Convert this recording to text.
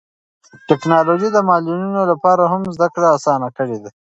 ټیکنالوژي د معلولینو لپاره هم زده کړه اسانه کړې ده.